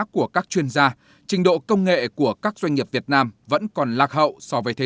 của các chuyên gia trình độ công nghệ của các doanh nghiệp việt nam vẫn còn lạc hậu so với thế